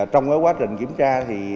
trong quá trình kiểm tra